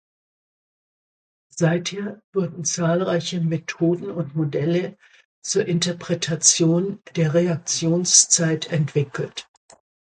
Seither wurden zahlreiche Methoden und Modelle zur Interpretation der Reaktionszeit entwickelt.